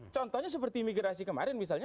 contohnya seperti migrasi kemarin misalnya